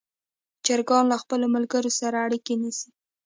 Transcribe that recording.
چرګان له خپلو ملګرو سره اړیکه نیسي.